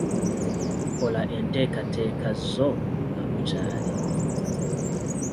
Kola enteekateeka zo nga bukyali.